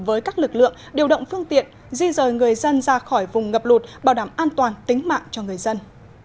với các lực lượng điều động phương tiện di rời người dân ra khỏi vùng ngập lụt bảo đảm an toàn tính mạng cho người dân